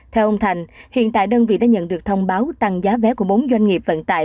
theo ông thành hiện tại đơn vị đã nhận được thông báo tăng giá vé của bốn doanh nghiệp vận tải